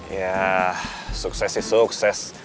iya sukses sih sukses